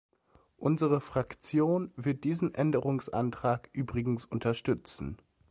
Unsere Fraktion wird diesen Änderungsantrag übrigens unterstützen.